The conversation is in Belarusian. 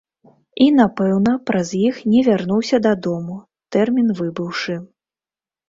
І, напэўна, праз іх не вярнуўся дадому, тэрмін выбыўшы.